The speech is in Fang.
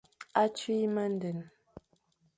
A tui mendene.